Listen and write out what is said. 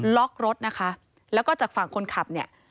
ล็อกรถนะคะแล้วก็จากฝั่งคนขับเนี่ย